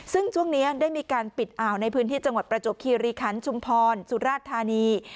ซึ่งช่วงนี้ได้มีการปิดอ่าวในพื้นที่จังหวัดประจบคีรีคันชุมพรสุราชธานี